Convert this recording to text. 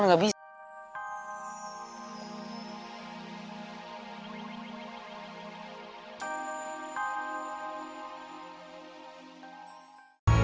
kami pamit dulu bu